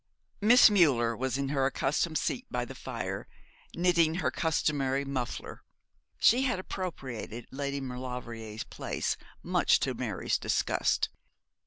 Miss Müller was in her accustomed seat by the fire, knitting her customary muffler. She had appropriated Lady Maulevrier's place, much to Mary's disgust.